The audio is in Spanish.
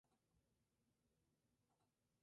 Es hija de Jairo Tobón y Gina Yepes.